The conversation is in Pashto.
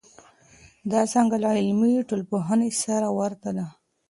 دا څانګه له عملي ټولنپوهنې سره ورته ده.